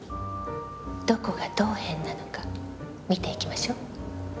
どこがどう変なのか見ていきましょう。